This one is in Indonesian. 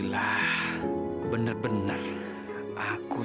rontrik ini mengganteng anak anak itu